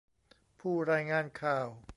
ผู้รายงานข่าว